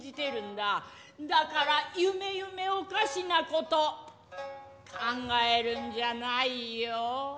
だからゆめゆめおかしなこと考えるんじゃないよ！